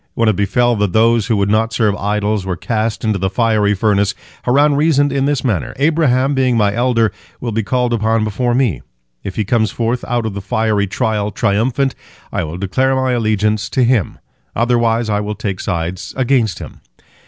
When it befell that those who would not serve idols were cast into the fiery furnace, Haran reasoned in this manner: "Abraham, being my elder, will be called upon before me. If he comes forth out of the fiery trial triumphant, I will declare my allegiance to him; otherwise I will take sides against him."